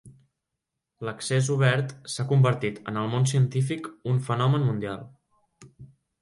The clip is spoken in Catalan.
L'accés obert s'ha convertit en el món científic un fenomen mundial.